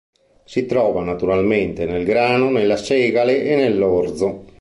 Si trova naturalmente nel grano, nella segale e nell'orzo.